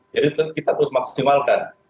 jadi kita terus maksimalkan